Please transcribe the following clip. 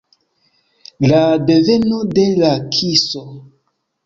La deveno de la kiso.